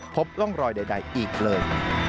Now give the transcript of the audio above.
พบร่องรอยใดอีกเลย